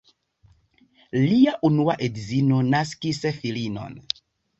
Lia unua edzino naskis filinon.